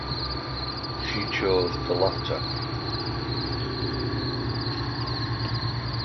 She chose the latter.